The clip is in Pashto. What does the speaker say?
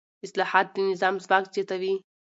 اصلاحات د نظام ځواک زیاتوي